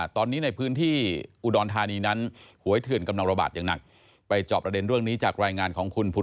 ตอนนี้ในพื้นที่อุดรธานีนั้นหวยเทื่นกำลังระบาดอย่างหนัก